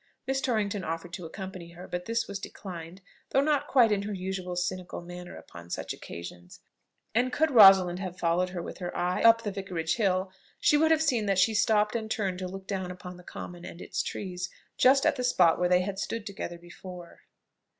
Miss Torrington offered to accompany her, but this was declined, though not quite in her usual cynical manner upon such occasions; and, could Rosalind have followed her with her eye up the Vicarage hill, she would have seen that she stopped and turned to look down upon the common and its trees, just at the spot where they had stood together before.